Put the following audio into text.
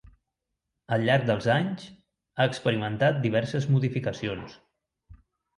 Al llarg dels anys, ha experimentat diverses modificacions.